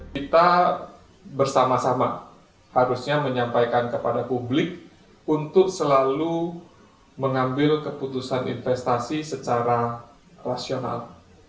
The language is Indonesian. kita bersama sama harusnya menyampaikan kepada publik untuk selalu mengambil keputusan investasi secara rasional